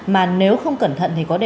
mà nếu không cẩn thận